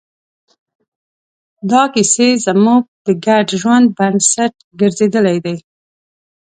دا کیسې زموږ د ګډ ژوند بنسټ ګرځېدلې دي.